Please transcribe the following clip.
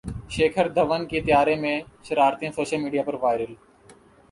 شیکھر دھون کی طیارے میں شرارتیں سوشل میڈیا پر وائرل